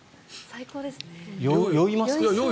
酔いますね。